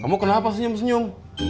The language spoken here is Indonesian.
kamu kenapa senyum senyum